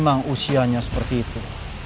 memang usianya seperti itu